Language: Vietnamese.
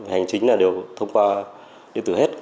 hành chính đều thông qua điện tử hết